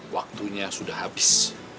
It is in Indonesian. waktunya sudah habis